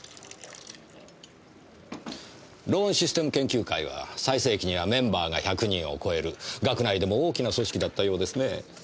ローンシステム研究会は最盛期にはメンバーが１００人を超える学内でも大きな組織だったようですね。